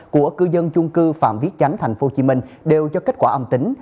của cư dân chung cư phạm viết chánh tp hcm đều cho kết quả âm tính